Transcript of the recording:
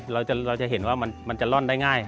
เราจะเห็นว่ามันจะร่อนได้ง่าย